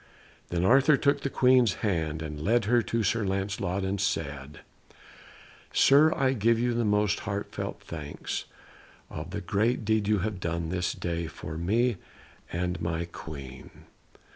Then Arthur took the Queen's hand and led her to Sir Lancelot and said, "Sir, I give you the most heartfelt thanks of the great deed you have done this day for me and my Queen."